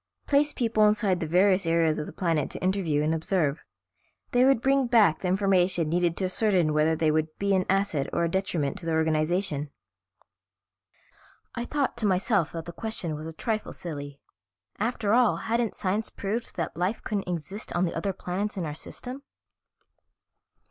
Place people inside the various areas of the planet to interview and observe. They would bring back the information needed to ascertain whether they would be an asset or a detriment to the organization." I thought to myself that the question was a trifle silly; after all, hadn't science proved that life couldn't exist on the other planets in our system?